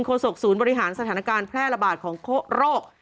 ศกศูนย์บริหารสถานการณ์แพร่ระบาดของโรค